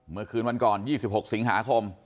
เมื่อคืนวันก่อน๒๖สิงหาคม